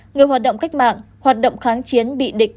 người hoạt động cách mạng hoạt động kháng chiến bị địch